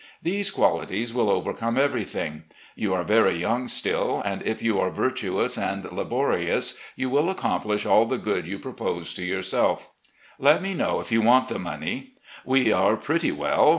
These qualities will overcome ever3d;hing. You are very young still, and if you are virtuous and laborious you win accomplish all the good you propose to yourself. Let me know if you want the money. We are pretty well.